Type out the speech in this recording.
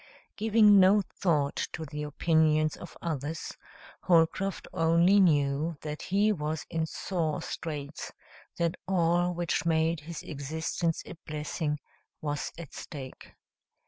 Giving no thought to the opinions of others, Holcroft only knew that he was in sore straits that all which made his existence a blessing was at stake.